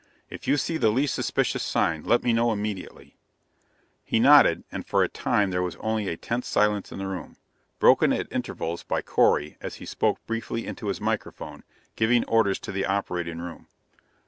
If you see the least suspicious sign, let me know immediately." He nodded, and for a time there was only a tense silence in the room, broken at intervals by Correy as he spoke briefly into his microphone, giving orders to the operating room.